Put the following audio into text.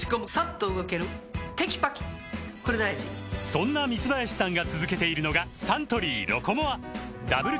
そんな三林さんが続けているのがサントリー「ロコモア」ダブル